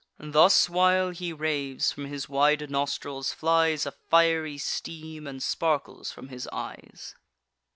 Thus while he raves, from his wide nostrils flies A fiery steam, and sparkles from his eyes.